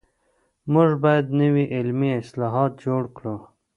موږ بايد نوي علمي اصطلاحات جوړ کړو.